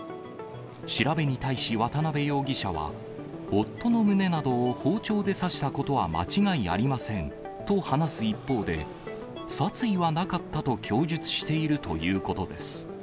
調べに対し、渡部容疑者は、夫の胸などを包丁で刺したことは間違いありませんと話す一方で、殺意はなかったと供述しているということです。